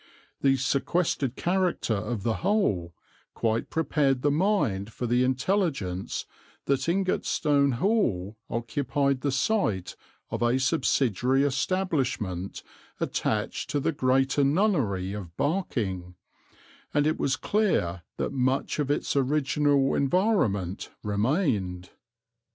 The sequestered character of the whole quite prepared the mind for the intelligence that Ingatestone Hall occupied the site of a subsidiary establishment attached to the greater nunnery of Barking, and it was clear that much of its original environment remained.